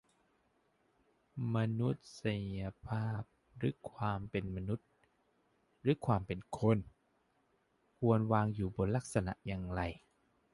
"มนุษยภาพ หรือความเป็นมนุษย์ หรือความเป็นคน ควรวางอยู่บนลักษณะอย่างไร"